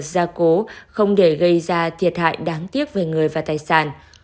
gia cố không để gây ra thiệt hại đáng tiếc về người và tài sản